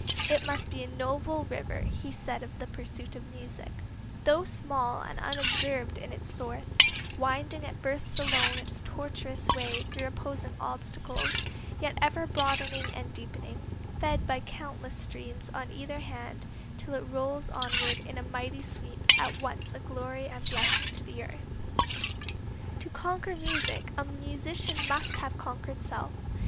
"It must be as a noble river," he said of the pursuit of music; "though small and unobserved in its source, winding at first alone its tortuous way through opposing obstacles, yet ever broadening and deepening, fed by countless streams on either hand till it rolls onward in a mighty sweep, at once a glory and a blessing to the earth." To conquer music a musician must have conquered self.